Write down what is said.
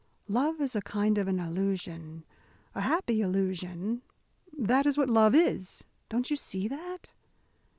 Love is a kind of an illusion a happy illusion, that is what love is. Don't you see that?"